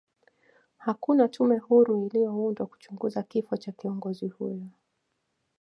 hakuna tume huru iliyoundwa kuchunguza kifo cha kiongozi huyo